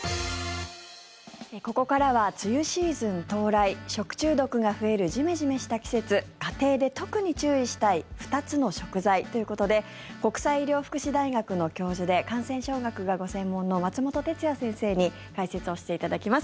ここからは梅雨シーズン到来食中毒が増えるジメジメした季節家庭で特に注意したい２つの食材ということで国際医療福祉大学の教授で感染症学がご専門の松本哲哉先生に解説をしていただきます。